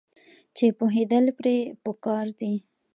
چې پوهیدل پرې پکار دي.